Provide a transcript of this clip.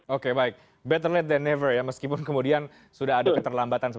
oke baik better late than never ya meskipun kemudian sudah ada keterlambatan